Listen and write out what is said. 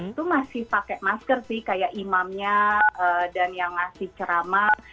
itu masih pakai masker sih kayak imamnya dan yang ngasih ceramah